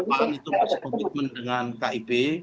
masih berpikir dengan kip